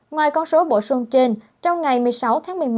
ngoài con số bổ sung trên trong ngày một mươi sáu tháng một mươi một